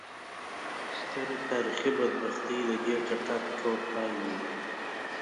سترې تاریخي بدبختۍ د دې چټک ټوپ پایلې وې.